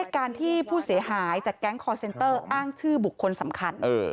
การที่ผู้เสียหายจากแก๊งคอร์เซ็นเตอร์อ้างชื่อบุคคลสำคัญ